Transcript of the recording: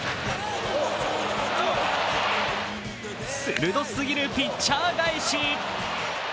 鋭すぎるピッチャー返し。